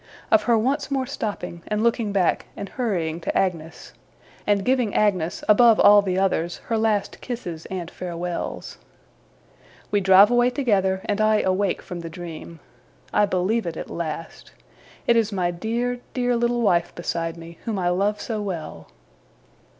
Of her once more stopping, and looking back, and hurrying to Agnes, and giving Agnes, above all the others, her last kisses and farewells. We drive away together, and I awake from the dream. I believe it at last. It is my dear, dear, little wife beside me, whom I love so well!